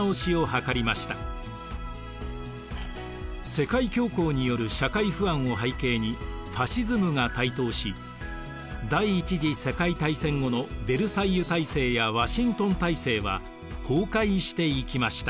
世界恐慌による社会不安を背景にファシズムが台頭し第一次世界大戦後のヴェルサイユ体制やワシントン体制は崩壊していきました。